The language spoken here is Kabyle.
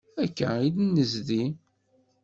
Akka i d-nezdi.